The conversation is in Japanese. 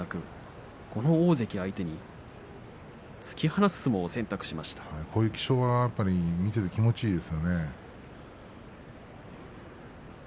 この大関を相手に突き放す相撲を豊昇龍のこういう性格は見ていて気持ちがいいですね。